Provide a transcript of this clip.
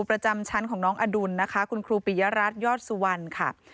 ประจำชั้นของน้องอดุลนะคะคุณครูปิยรัฐยอดสุวรรณค่ะ